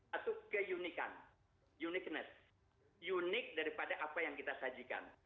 satu keunikan uniqueness unik daripada apa yang kita sajikan